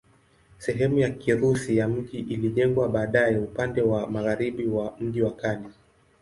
Sehemu ya Kirusi ya mji ilijengwa baadaye upande wa magharibi wa mji wa kale.